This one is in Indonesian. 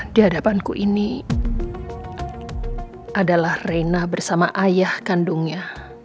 di hadapanku ini adalah reina bersama ayah kandungnya